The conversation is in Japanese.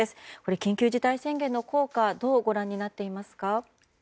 緊急事態宣言の効果どうご覧になっていますか？